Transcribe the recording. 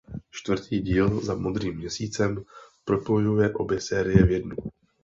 Čtvrtý díl "Za Modrým měsícem" propojuje obě série v jednu.